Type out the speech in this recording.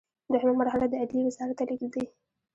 دوهمه مرحله د عدلیې وزارت ته لیږل دي.